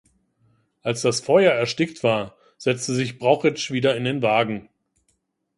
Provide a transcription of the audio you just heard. Als das Feuer erstickt war, setzte sich Brauchitsch wieder in den Wagen.